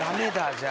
じゃあ。